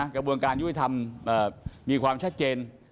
กระบวนการยุติธรรมมีความชัดเจน